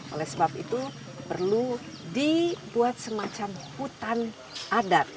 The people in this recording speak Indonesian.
oleh sebab itu perlu dibuat semacam hutan adat